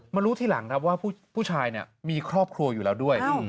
รู้ทีหลังครับว่าผู้ชายเนี่ยมีครอบครัวอยู่แล้วด้วย